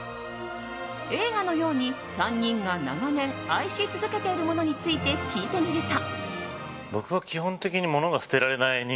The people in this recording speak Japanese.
映画のように３人が長年愛し続けているものについて聞いてみると。